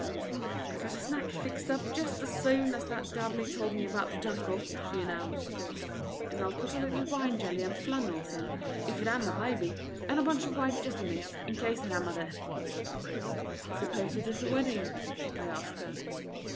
"I got a snack fixed up jest's soon as that Dabney tol' me about the junket," she announced. "And I'll put a little wine jelly and flannels in if it am a baby and a bunch of white jessimings in case it am a death." "Suppose it is a wedding?" I asked her.